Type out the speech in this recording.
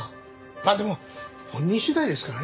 まあでも本人次第ですからね。